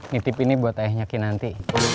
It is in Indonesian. nih tip ini buat tehnya kinanti